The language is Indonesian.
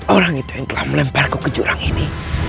orang itu yang telah melemparku ke jurang ini